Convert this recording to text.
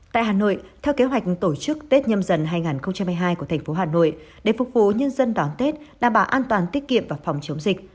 tại hà nội theo kế hoạch tổ chức tết nhâm dần hai nghìn hai mươi hai của thành phố hà nội để phục vụ nhân dân đón tết đảm bảo an toàn tiết kiệm và phòng chống dịch